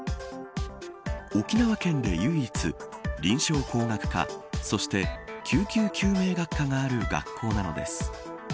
沖縄県で唯一、臨床工学科そして、救急救命学科がある学校なんです。